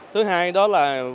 thứ hai đó là